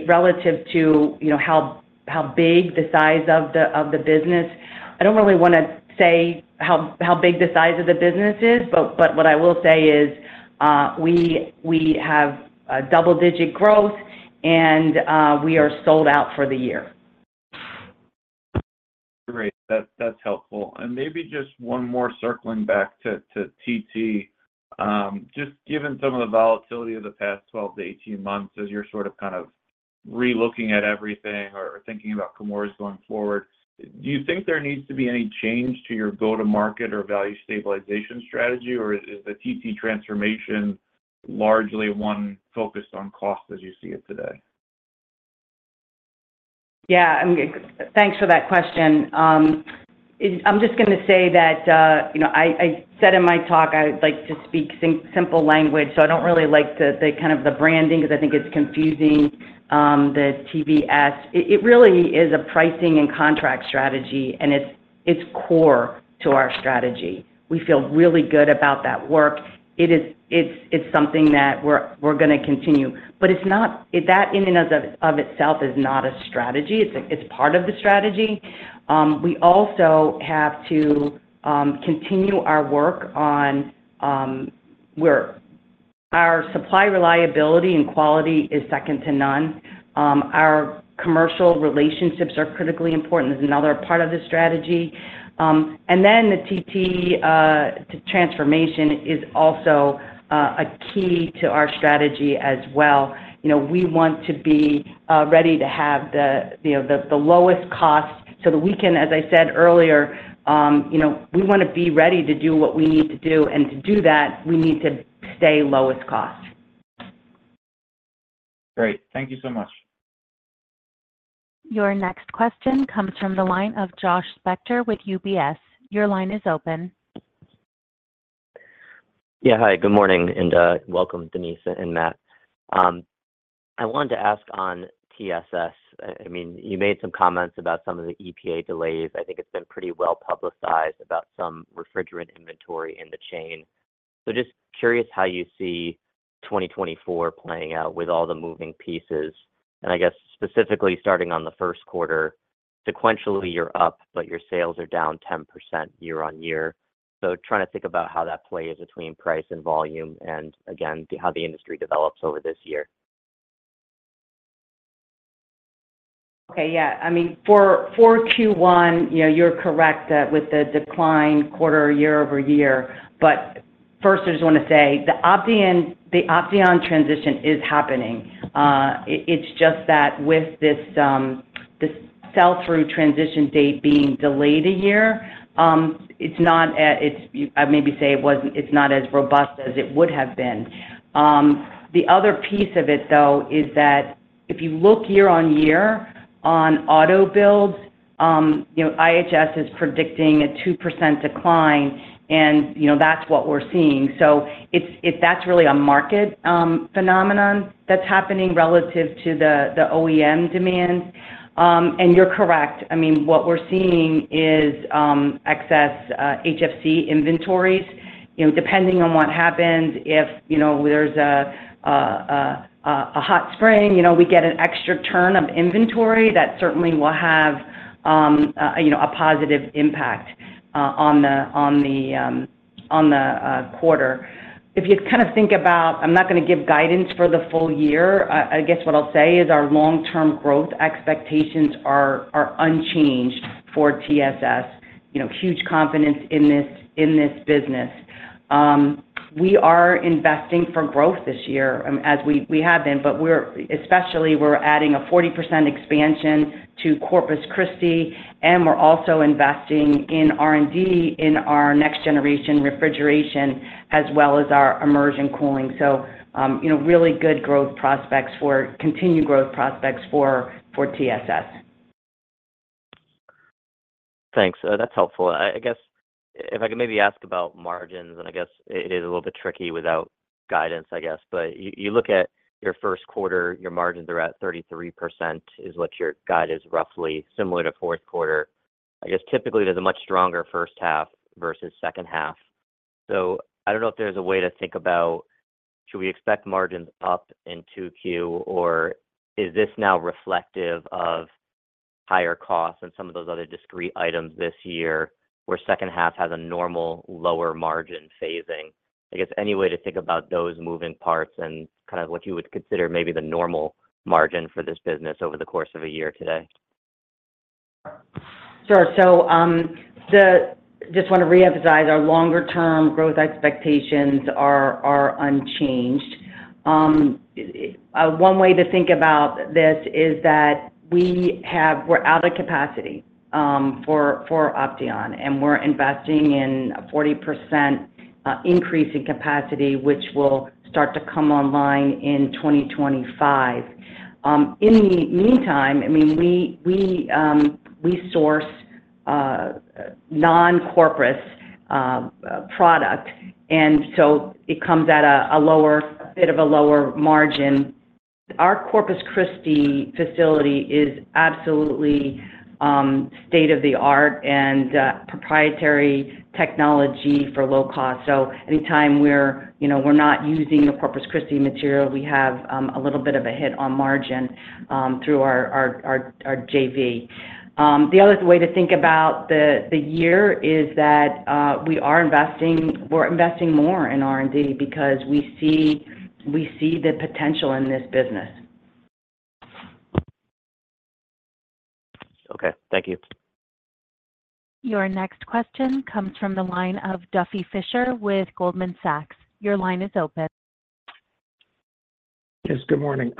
Relative to how big the size of the business, I don't really want to say how big the size of the business is, but what I will say is we have double-digit growth, and we are sold out for the year. Great. That's helpful. And maybe just one more circling back to TT. Just given some of the volatility of the past 12-18 months as you're sort of kind of relooking at everything or thinking about Chemours' going forward, do you think there needs to be any change to your go-to-market or value stabilization strategy, or is the TT transformation largely one focused on cost as you see it today? Yeah. Thanks for that question. I'm just going to say that I said in my talk I'd like to speak simple language. So I don't really like the kind of the branding because I think it's confusing, the TVS. It really is a pricing and contract strategy, and it's core to our strategy. We feel really good about that work. It's something that we're going to continue. But that in and of itself is not a strategy. It's part of the strategy. We also have to continue our work on where our supply reliability and quality is second to none. Our commercial relationships are critically important. It's another part of the strategy. And then the TT transformation is also a key to our strategy as well. We want to be ready to have the lowest cost so that we can, as I said earlier, we want to be ready to do what we need to do. To do that, we need to stay lowest cost. Great. Thank you so much. Your next question comes from the line of Josh Spector with UBS. Your line is open. Yeah. Hi. Good morning and welcome, Denise and Matt. I wanted to ask on TSS. I mean, you made some comments about some of the EPA delays. I think it's been pretty well-publicized about some refrigerant inventory in the chain. So just curious how you see 2024 playing out with all the moving pieces. And I guess specifically starting on the first quarter, sequentially, you're up, but your sales are down 10% year-over-year. So trying to think about how that plays between price and volume and, again, how the industry develops over this year. Okay. Yeah. I mean, for Q1, you're correct with the decline quarter-over-year. But first, I just want to say the Opteon transition is happening. It's just that with this sell-through transition date being delayed a year, it's not I maybe say it's not as robust as it would have been. The other piece of it, though, is that if you look year-on-year on auto builds, IHS is predicting a 2% decline, and that's what we're seeing. So that's really a market phenomenon that's happening relative to the OEM demand. And you're correct. I mean, what we're seeing is excess HFC inventories. Depending on what happens, if there's a hot spring, we get an extra turn of inventory. That certainly will have a positive impact on the quarter. If you kind of think about I'm not going to give guidance for the full year. I guess what I'll say is our long-term growth expectations are unchanged for TSS. Huge confidence in this business. We are investing for growth this year as we have been, but especially, we're adding a 40% expansion to Corpus Christi. And we're also investing in R&D in our next-generation refrigeration as well as our immersion cooling. So really good growth prospects for continued growth prospects for TSS. Thanks. That's helpful. I guess if I could maybe ask about margins, and I guess it is a little bit tricky without guidance, I guess. But you look at your first quarter, your margins are at 33% is what your guide is roughly, similar to fourth quarter. I guess typically, there's a much stronger first half versus second half. So I don't know if there's a way to think about should we expect margins up in Q2, or is this now reflective of higher costs and some of those other discrete items this year where second half has a normal lower margin phasing? I guess any way to think about those moving parts and kind of what you would consider maybe the normal margin for this business over the course of a year today? Sure. So just want to reemphasize our longer-term growth expectations are unchanged. One way to think about this is that we're out of capacity for Opteon, and we're investing in a 40% increase in capacity, which will start to come online in 2025. In the meantime, I mean, we source non-Corpus Christi product, and so it comes at a bit of a lower margin. Our Corpus Christi facility is absolutely state-of-the-art and proprietary technology for low cost. So anytime we're not using the Corpus Christi material, we have a little bit of a hit on margin through our JV. The other way to think about the year is that we're investing more in R&D because we see the potential in this business. Okay. Thank you. Your next question comes from the line of Duffy Fischer with Goldman Sachs. Your line is open. Yes. Good morning.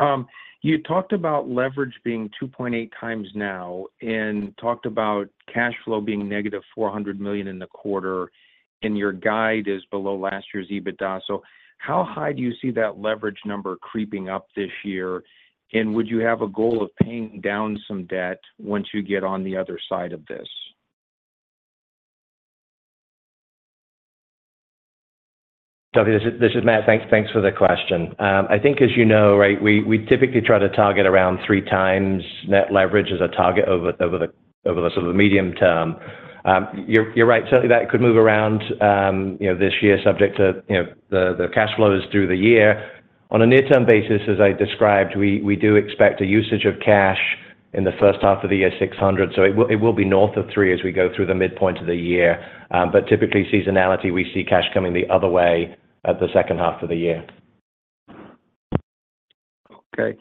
You talked about leverage being 2.8x now and talked about cash flow being negative $400 million in the quarter, and your guide is below last year's EBITDA. So how high do you see that leverage number creeping up this year? And would you have a goal of paying down some debt once you get on the other side of this? Duffy, this is Matt. Thanks for the question. I think as you know, right, we typically try to target around 3x net leverage as a target over the sort of medium term. You're right. Certainly, that could move around this year subject to the cash flows through the year. On a near-term basis, as I described, we do expect a usage of cash in the first half of the year $600 million. So it will be north of 3x as we go through the midpoint of the year. But typically, seasonality, we see cash coming the other way at the second half of the year. Okay.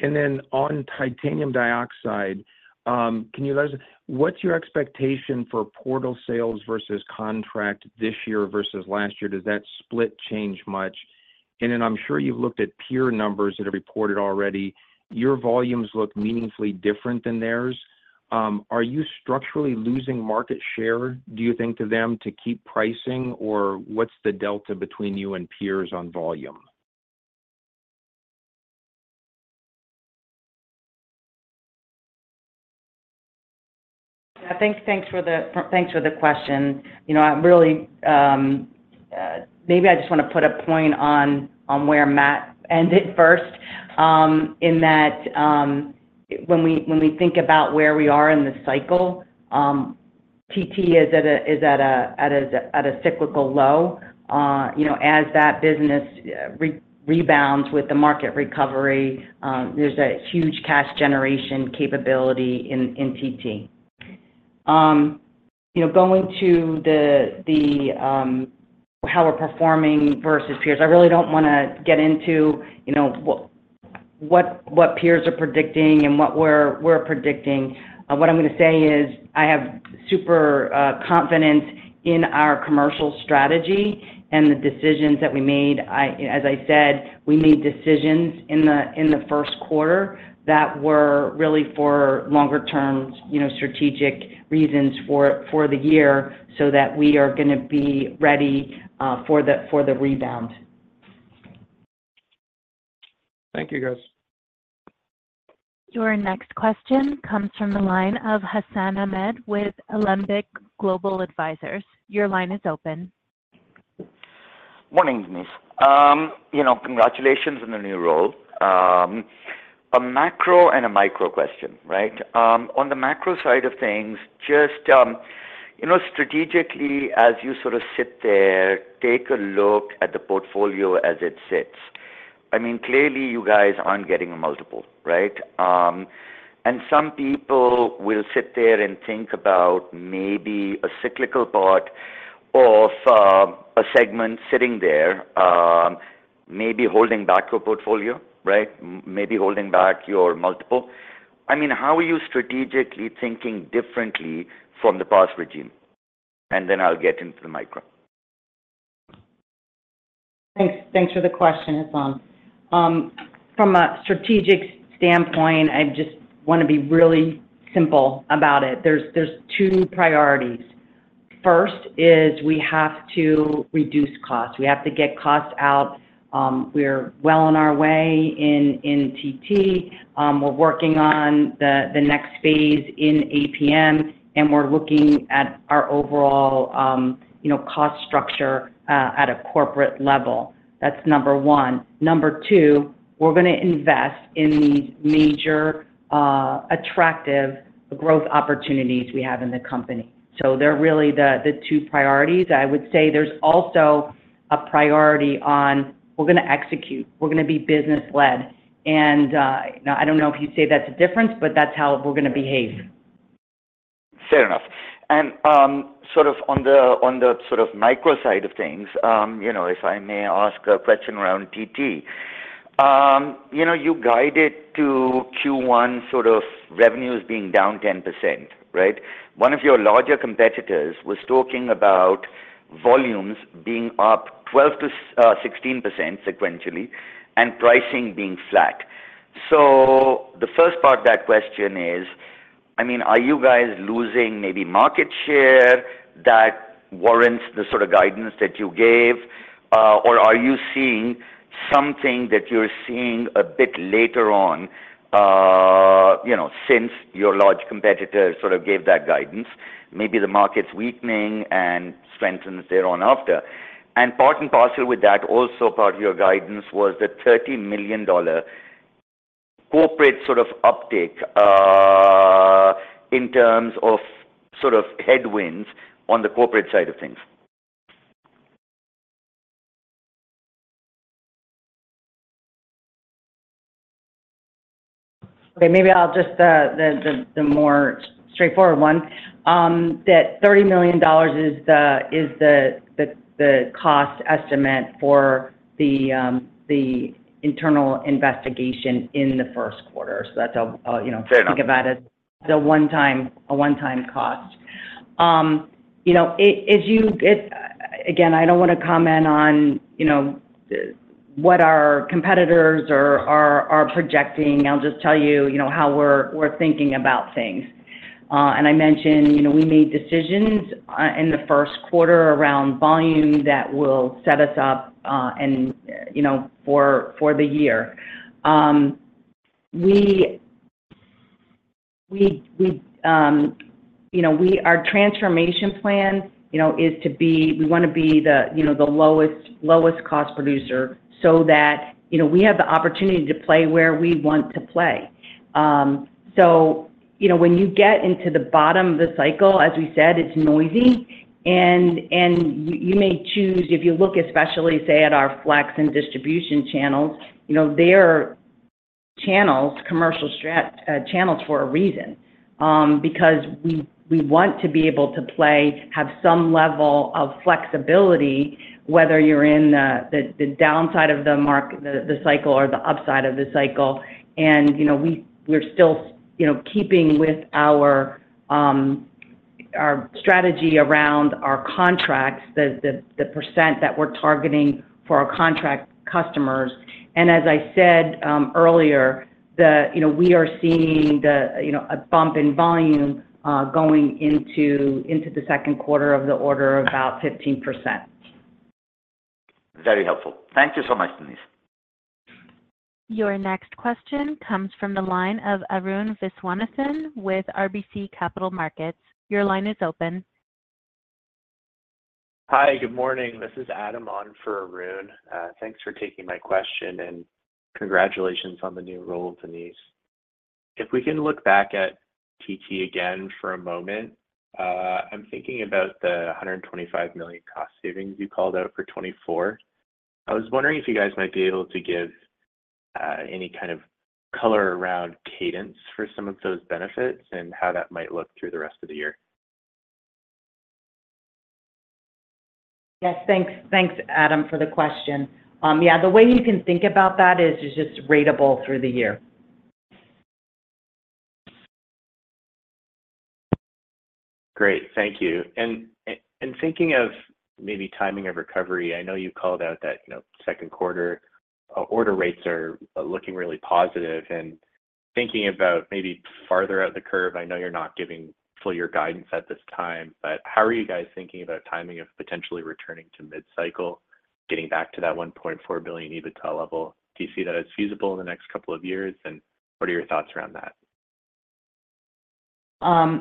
And then on titanium dioxide, can you let us know what's your expectation for spot sales versus contract this year versus last year? Does that split change much? And then I'm sure you've looked at peer numbers that are reported already. Your volumes look meaningfully different than theirs. Are you structurally losing market share, do you think, to them to keep pricing, or what's the delta between you and peers on volume? I think, thanks for the question. Maybe I just want to put a point on where Matt ended first in that when we think about where we are in the cycle, TT is at a cyclical low. As that business rebounds with the market recovery, there's a huge cash generation capability in TT. Going to how we're performing versus peers, I really don't want to get into what peers are predicting and what we're predicting. What I'm going to say is I have super confidence in our commercial strategy and the decisions that we made. As I said, we made decisions in the first quarter that were really for longer-term strategic reasons for the year so that we are going to be ready for the rebound. Thank you, guys. Your next question comes from the line of Hassan Ahmed with Alembic Global Advisors. Your line is open. Morning, Denise. Congratulations on the new role. A macro and a micro question, right? On the macro side of things, just strategically, as you sort of sit there, take a look at the portfolio as it sits. I mean, clearly, you guys aren't getting a multiple, right? And some people will sit there and think about maybe a cyclical part of a segment sitting there, maybe holding back your portfolio, right? Maybe holding back your multiple. I mean, how are you strategically thinking differently from the past regime? And then I'll get into the micro. Thanks for the question. It's on. From a strategic standpoint, I just want to be really simple about it. There are two priorities. First is we have to reduce costs. We have to get costs out. We're well on our way in TT. We're working on the next phase in APM, and we're looking at our overall cost structure at a corporate level. That's number one. Number two, we're going to invest in these major attractive growth opportunities we have in the company. So they're really the two priorities. I would say there's also a priority on we're going to execute. We're going to be business-led. And I don't know if you say that's a difference, but that's how we're going to behave. Fair enough. And sort of on the sort of micro side of things, if I may ask a question around TT, you guided to Q1 sort of revenues being down 10%, right? One of your larger competitors was talking about volumes being up 12%-16% sequentially and pricing being flat. So the first part of that question is, I mean, are you guys losing maybe market share that warrants the sort of guidance that you gave, or are you seeing something that you're seeing a bit later on since your large competitor sort of gave that guidance? Maybe the market's weakening and strengthens thereafter. And part and parcel with that also, part of your guidance was the $30 million corporate sort of uptake in terms of sort of headwinds on the corporate side of things. Okay. Maybe I'll just the more straightforward one, that $30 million is the cost estimate for the internal investigation in the first quarter. So that's how I'll think of that as a one-time cost. Again, I don't want to comment on what our competitors are projecting. I'll just tell you how we're thinking about things. And I mentioned we made decisions in the first quarter around volume that will set us up for the year. Our transformation plan is to be we want to be the lowest cost producer so that we have the opportunity to play where we want to play. So when you get into the bottom of the cycle, as we said, it's noisy. You may choose, if you look especially, say, at our flex and distribution channels. They are channels, commercial channels, for a reason because we want to be able to play, have some level of flexibility whether you're in the downside of the cycle or the upside of the cycle. We're still keeping with our strategy around our contracts, the percent that we're targeting for our contract customers. As I said earlier, we are seeing a bump in volume going into the second quarter of the order of about 15%. Very helpful. Thank you so much, Denise. Your next question comes from the line of Arun Viswanathan with RBC Capital Markets. Your line is open. Hi. Good morning. This is Adam on for Arun. Thanks for taking my question, and congratulations on the new role, Denise Dignam. If we can look back at TT again for a moment, I'm thinking about the $125 million cost savings you called out for 2024. I was wondering if you guys might be able to give any kind of color around cadence for some of those benefits and how that might look through the rest of the year. Yes. Thanks, Adam, for the question. Yeah. The way you can think about that is just ratable through the year. Great. Thank you. And thinking of maybe timing of recovery, I know you called out that second quarter order rates are looking really positive. And thinking about maybe farther out the curve, I know you're not giving full year guidance at this time, but how are you guys thinking about timing of potentially returning to mid-cycle, getting back to that $1.4 billion EBITDA level? Do you see that as feasible in the next couple of years, and what are your thoughts around that?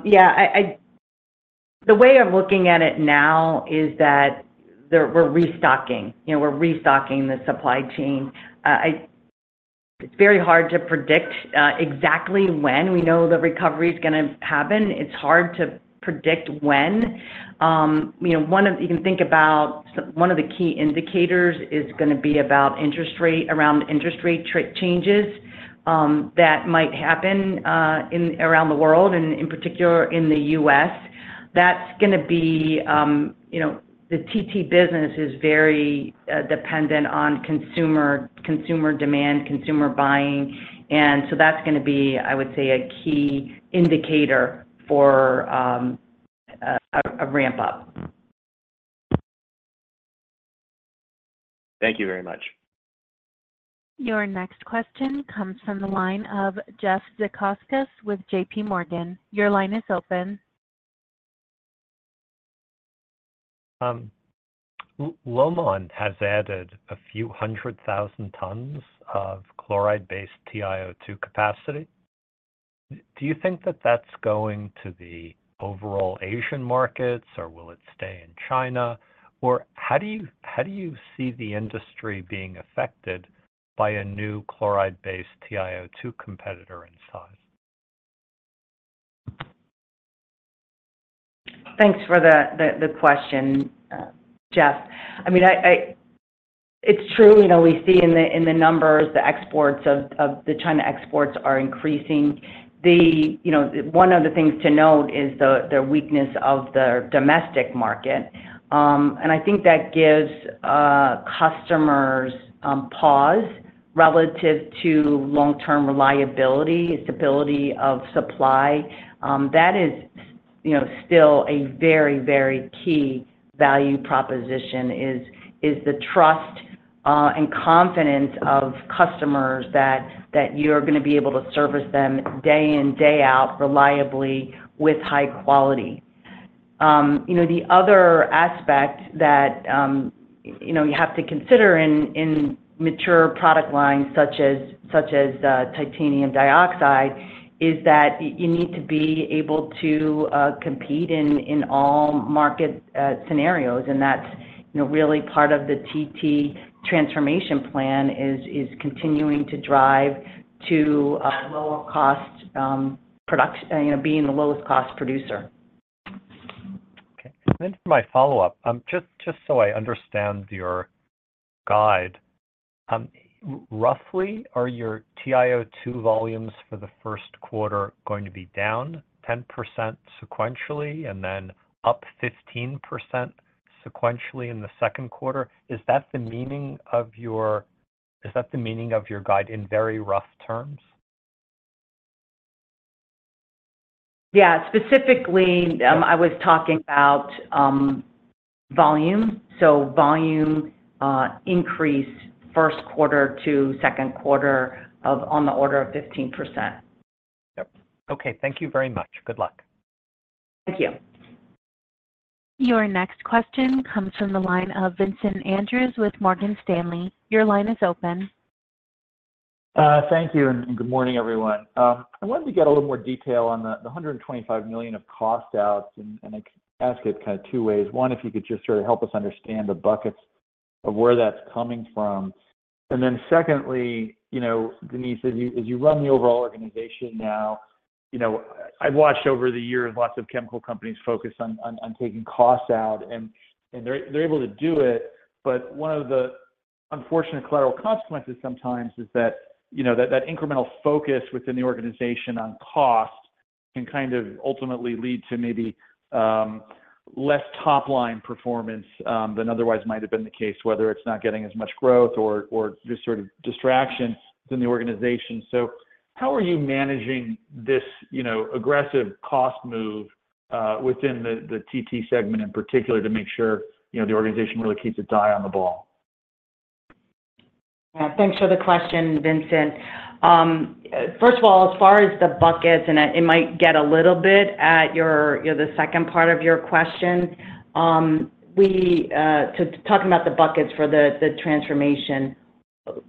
Yeah. The way I'm looking at it now is that we're restocking. We're restocking the supply chain. It's very hard to predict exactly when. We know the recovery is going to happen. It's hard to predict when. You can think about one of the key indicators is going to be around interest rate changes that might happen around the world, and in particular, in the U.S. That's going to be the TT business is very dependent on consumer demand, consumer buying. And so that's going to be, I would say, a key indicator for a ramp-up. Thank you very much. Your next question comes from the line of Jeffrey Zekauskas with J.P. Morgan. Your line is open. Lomon has added a few hundred thousand tons of chloride-based TiO2 capacity. Do you think that that's going to the overall Asian markets, or will it stay in China? Or how do you see the industry being affected by a new chloride-based TiO2 competitor in size? Thanks for the question, Jeff. I mean, it's true. We see in the numbers, the China exports are increasing. One of the things to note is the weakness of the domestic market. And I think that gives customers pause relative to long-term reliability, stability of supply. That is still a very, very key value proposition, is the trust and confidence of customers that you're going to be able to service them day in, day out, reliably with high quality. The other aspect that you have to consider in mature product lines such as titanium dioxide is that you need to be able to compete in all market scenarios. And that's really part of the TT transformation plan, is continuing to drive to lower cost production, being the lowest cost producer. Okay. And then for my follow-up, just so I understand your guide, roughly, are your TiO2 volumes for the first quarter going to be down 10% sequentially and then up 15% sequentially in the second quarter? Is that the meaning of your guide in very rough terms? Yeah. Specifically, I was talking about volume. So volume increase first quarter to second quarter on the order of 15%. Yep. Okay. Thank you very much. Good luck. Thank you. Your next question comes from the line of Vincent Andrews with Morgan Stanley. Your line is open. Thank you. And good morning, everyone. I wanted to get a little more detail on the $125 million of cost outs. And I can ask it kind of two ways. One, if you could just sort of help us understand the buckets of where that's coming from. And then secondly, Denise, as you run the overall organization now, I've watched over the years lots of chemical companies focus on taking costs out. And they're able to do it. But one of the unfortunate collateral consequences sometimes is that incremental focus within the organization on cost can kind of ultimately lead to maybe less top-line performance than otherwise might have been the case, whether it's not getting as much growth or just sort of distraction within the organization. So how are you managing this aggressive cost move within the TT segment in particular to make sure the organization really keeps its eye on the ball? Yeah. Thanks for the question, Vincent. First of all, as far as the buckets - and it might get a little bit at the second part of your question - talking about the buckets for the transformation,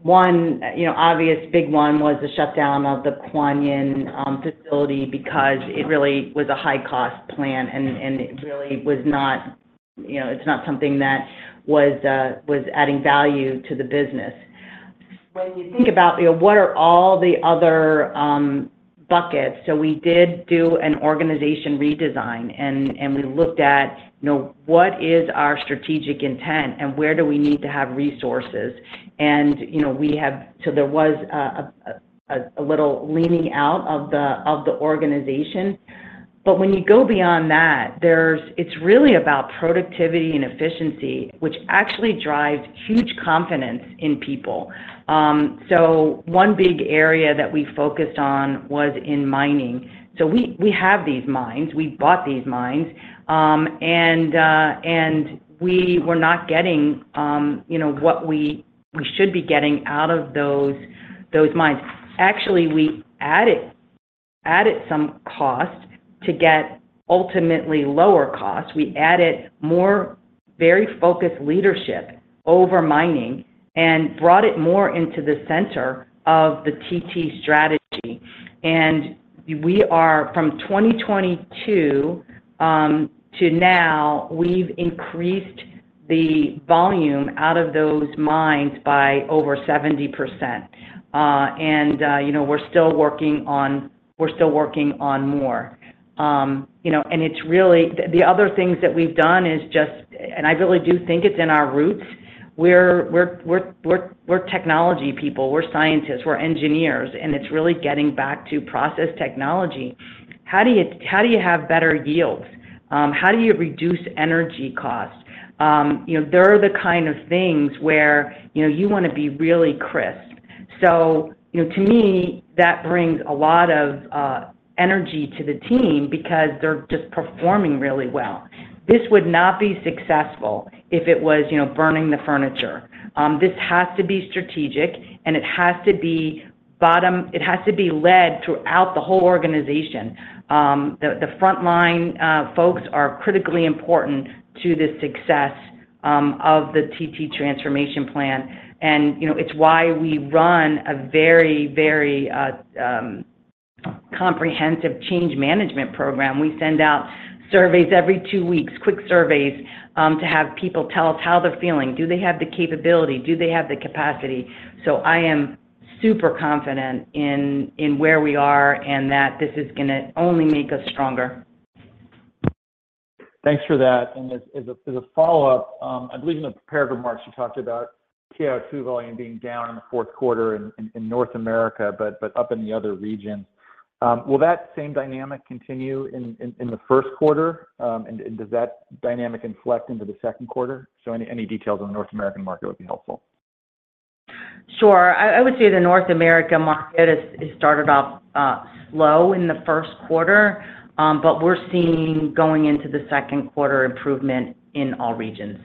one obvious big one was the shutdown of the Kuan Yin facility because it really was a high-cost plant, and it really was not, it's not something that was adding value to the business. When you think about what are all the other buckets? So we did do an organization redesign, and we looked at what is our strategic intent, and where do we need to have resources? And so there was a little leaning out of the organization. But when you go beyond that, it's really about productivity and efficiency, which actually drives huge confidence in people. So one big area that we focused on was in mining. So we have these mines. We bought these mines. We were not getting what we should be getting out of those mines. Actually, we added some cost to get ultimately lower costs. We added more very focused leadership over mining and brought it more into the center of the TT strategy. From 2022 to now, we've increased the volume out of those mines by over 70%. We're still working on more. The other things that we've done is just, and I really do think it's in our roots. We're technology people. We're scientists. We're engineers. It's really getting back to process technology. How do you have better yields? How do you reduce energy costs? They're the kind of things where you want to be really crisp. To me, that brings a lot of energy to the team because they're just performing really well. This would not be successful if it was burning the furniture. This has to be strategic, and it has to be bottom-up, it has to be led throughout the whole organization. The frontline folks are critically important to the success of the TT transformation plan. And it's why we run a very, very comprehensive change management program. We send out surveys every two weeks, quick surveys, to have people tell us how they're feeling. Do they have the capability? Do they have the capacity? So I am super confident in where we are and that this is going to only make us stronger. Thanks for that. As a follow-up, I believe in the prepared remarks, you talked about TiO2 volume being down in the fourth quarter in North America but up in the other regions. Will that same dynamic continue in the first quarter? And does that dynamic inflect into the second quarter? Any details on the North American market would be helpful. Sure. I would say the North American market started off slow in the first quarter, but we're seeing going into the second quarter improvement in all regions.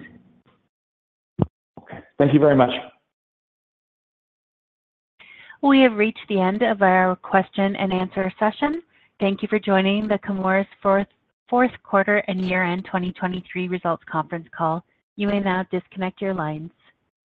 Okay. Thank you very much. We have reached the end of our question-and-answer session. Thank you for joining the Chemours fourth quarter and year-end 2023 results conference call. You may now disconnect your lines.